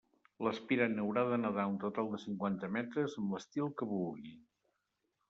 L'aspirant haurà de nedar un total de cinquanta metres amb l'estil que vulgui.